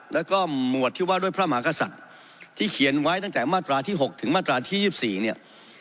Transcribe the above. แล้วก็หมวดที่ว่าด้วยพระมหากษัตริย์ที่เขียนไว้ตั้งแต่มาตราที่๖ถึงมาตราที่๒๔เนี่ย